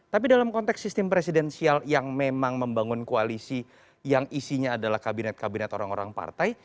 tapi dalam konteks sistem presidensial yang memang membangun koalisi yang isinya adalah kabinet kabinet orang orang partai